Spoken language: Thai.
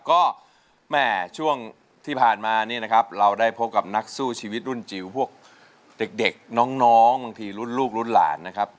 ก็แม่ช่วงที่ผ่านมานี่นะครับเราได้พบกับนักสู้ชีวิตรุ่นจิ๋วพวกเด็กน้องบางทีรุ่นลูกรุ่นหลานนะครับ